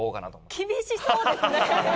厳しそうですね。